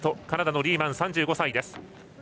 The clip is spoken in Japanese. カナダのリーマン、３５歳です。